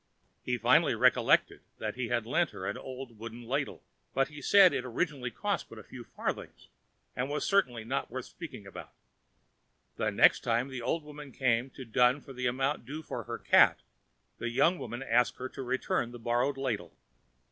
He finally recollected that he had lent to her an old wooden ladle, but he said it originally cost but a few farthings, and was certainly not worth speaking about. The next time the old woman came to dun for the amount due for her cat, the young woman asked her to return the borrowed ladle.